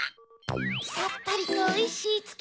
さっぱりとおいしいつけ